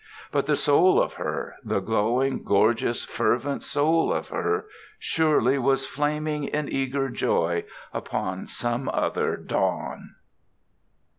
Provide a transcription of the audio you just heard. But the soul of her, the glowing, gorgeous, fervent soul of her, surely was flaming in eager joy upon some other dawn.